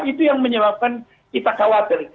itu yang menyebabkan kita khawatir